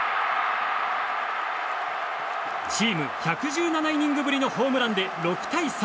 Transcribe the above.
チーム１１７イニングぶりのホームランで６対３。